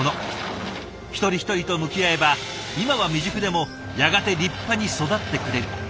一人一人と向き合えば今は未熟でもやがて立派に育ってくれる。